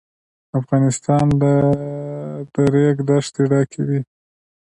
افغانستان له د ریګ دښتې ډک دی.